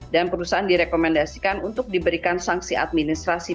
dan perusahaan direkomendasikan untuk diberikan sanksi administrasi